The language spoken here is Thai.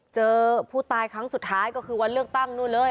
เจอผู้ตายครั้งสุดท้ายก็คือวันเลือกตั้งนู่นเลย